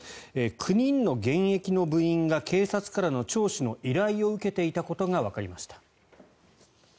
９人の現役の部員が警察からの聴取の依頼を受けていたことがわかりました。